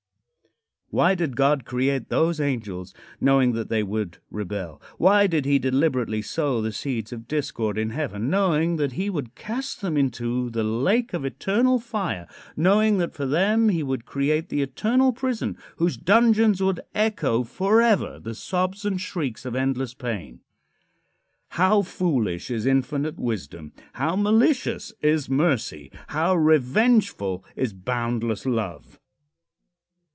Why did God create those angels, knowing that they would rebel? Why did he deliberately sow the seeds of discord in heaven, knowing that he would cast them into the lake of eternal fire knowing that for them he would create the eternal prison, whose dungeons would echo forever the sobs and shrieks of endless pain? How foolish is infinite wisdom! How malicious is mercy! How revengeful is boundless love!